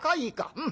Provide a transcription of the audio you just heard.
うん。